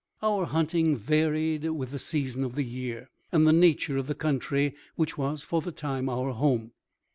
Our hunting varied with the season of the year, and the nature of the country which was for the time our home.